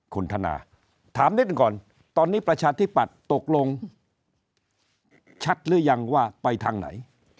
คุณธนาถามนิดหนึ่งก่อนตอนนี้ประชาธิปัตย์ตกลงชัดหรือยังว่าไปทางไหน